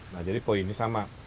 nah jadi poinnya sama